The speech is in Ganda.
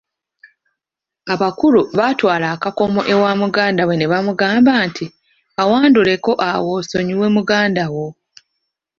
Abakulu baatwala akakomo ewa muganda we ne bamugamba nti, kawanduleko awo osonyiwe muganda wo.